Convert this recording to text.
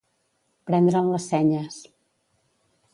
Prendre'n les senyes.